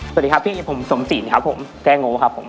สวัสดีครับพี่ผมสมศีลครับผมแก้โง่ครับผม